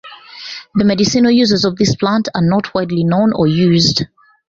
The medicinal uses of this plant are not widely known or used.